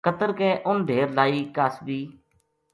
کتر کے اُن ڈھیر لائی قاصبی